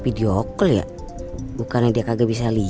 flowernya juga bahkan buat adobe orange